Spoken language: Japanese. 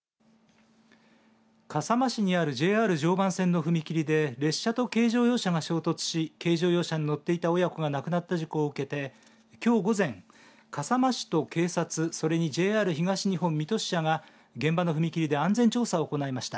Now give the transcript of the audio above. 笠間市にあるＪＲ常磐線の踏切で列車と軽乗用車が衝突し軽乗用車に乗っていた親子が亡くなった事故を受けてきょう午前笠間市と警察、それにＪＲ東日本水戸支社が現場の踏切で安全調査を行いました。